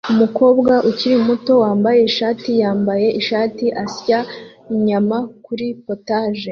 Umukobwa ukiri muto wambaye ishati yambaye ishati asya inyama kuri POTAGE